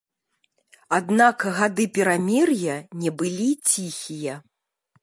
Аднак гады перамір'я не былі ціхія.